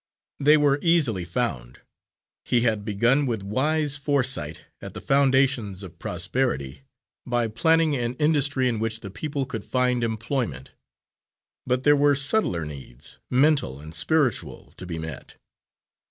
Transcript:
They were easily found. He had begun, with wise foresight, at the foundations of prosperity, by planning an industry in which the people could find employment. But there were subtler needs, mental and spiritual, to be met.